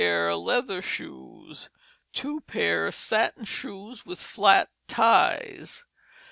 Leather Shoes. 2 p. Satin Shoes with flat ties.